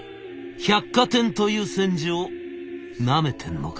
百貨店という戦場なめてんのか？」。